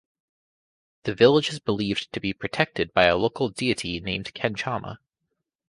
The village is believed to be protected by a local deity named Kenchamma.